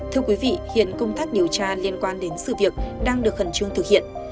thưa quý vị hiện công tác điều tra liên quan đến sự việc đang được khẩn trương thực hiện